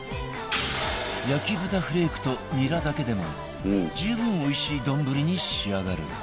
焼豚フレークとニラだけでも十分おいしい丼に仕上がるが